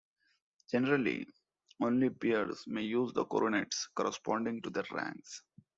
Generally, only peers may use the coronets corresponding to their ranks.